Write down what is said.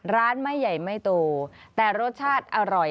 ร้านไม่ใหญ่ไม่โตแต่รสชาติอร่อย